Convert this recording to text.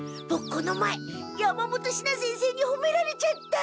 この前山本シナ先生にほめられちゃった！